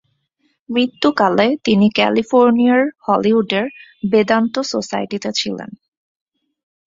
মৃত্যু কালে তিনি ক্যালিফোর্নিয়ার হলিউডের বেদান্ত সোসাইটিতে ছিলেন।